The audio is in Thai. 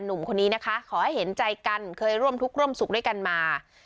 หนุ่มคนนี้นะคะขอให้เห็นใจกันเคยร่วมทุกข์ร่วมสุขด้วยกันมา